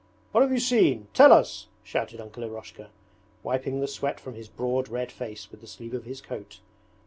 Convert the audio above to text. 'What have you seen? Tell us!' shouted Uncle Eroshka, wiping the sweat from his broad red face with the sleeve of his coat.